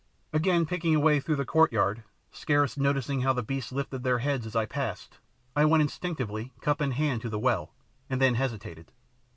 Again picking a way through the courtyard, scarce noticing how the beasts lifted their heads as I passed, I went instinctively, cup in hand, to the well, and then hesitated.